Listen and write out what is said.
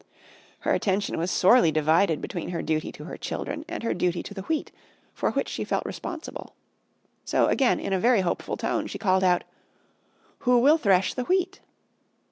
Her attention was sorely divided between her duty to her children and her duty to the Wheat, for which she felt responsible. So, again, in a very hopeful tone, she called out, "Who will thresh the Wheat?"